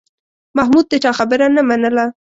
محمود د چا خبره نه منله.